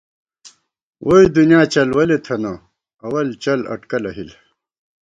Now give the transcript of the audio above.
ووئی دُنیا چلوَلے تھنہ ، اول چل اٹکلہ ہِل